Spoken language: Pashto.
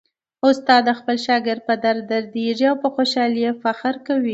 استاد د خپل شاګرد په درد دردیږي او په خوشالۍ یې فخر کوي.